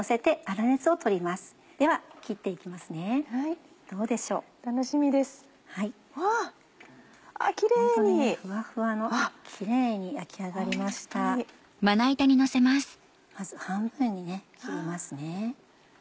まず半分に切りますね。